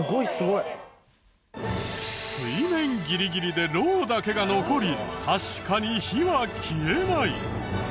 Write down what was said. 水面ギリギリでロウだけが残り確かに火は消えない。